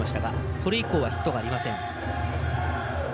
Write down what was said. それ以降はヒットがありません。